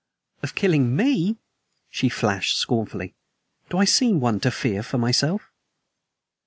"Of killing ME!" she flashed scornfully. "Do I seem one to fear for myself?"